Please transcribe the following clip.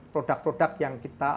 produk produk yang tersebut